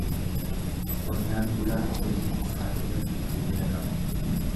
Qonnaan bulaan hojii isaa irratti cimina qaba.